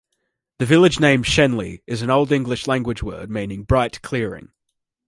The village name 'Shenley' is an Old English language word meaning 'bright clearing'.